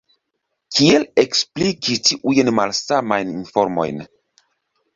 Kiel ekspliki tiujn malsamajn informojn?